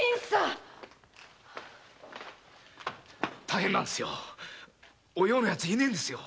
大変なんですよ